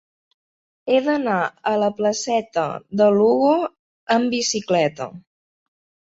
He d'anar a la placeta de Lugo amb bicicleta.